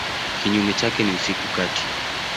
Kinyume chake ni usiku kati.